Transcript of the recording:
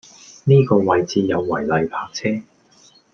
呢個位置有違例泊車